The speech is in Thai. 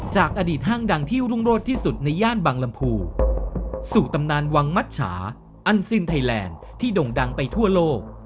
จากอดีตห้างดังที่รุ่งโรธที่สุดในย่านบางลำพูสู่ตำนานวังมัชชาอันซินไทยแลนด์ที่ด่งดังไปทั่วโลก